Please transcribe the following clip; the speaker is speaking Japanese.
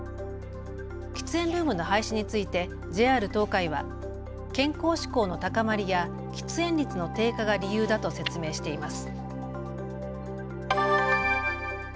喫煙ルームの廃止についてＪＲ東海は健康志向の高まりや喫煙率の低下が理由だと説明しています。